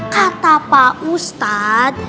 kata pak ustadz